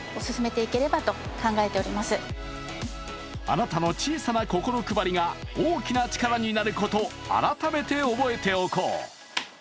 あなたの小さな心配りが大きな力になること、改めて覚えておこう。